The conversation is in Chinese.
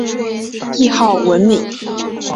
谥号文敏。